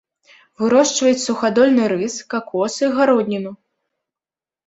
Вырошчваюць сухадольны рыс, какосы, гародніну.